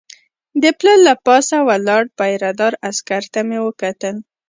د پله له پاسه ولاړ پیره دار عسکر ته مې وکتل.